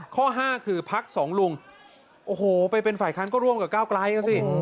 ข้อห้าคือพักสองลุงโอ้โหไปเป็นฝ่ายค้านก็ร่วมกับก้าวไกลอ่ะสิ